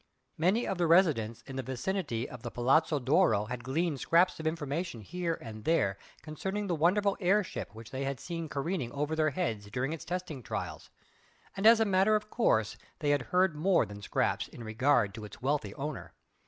Many of the residents in the vicinity of the Palazzo d'Oro had gleaned scraps of information here and there concerning the wonderful air ship which they had seen careering over their heads during its testing trials, and as a matter of course they had heard more than scraps in regard to its wealthy owner.